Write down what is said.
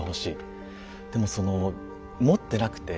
でもその持ってなくて。